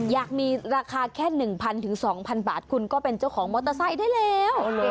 อยากมีราคาแค่๑๐๐๒๐๐บาทคุณก็เป็นเจ้าของมอเตอร์ไซค์ได้แล้ว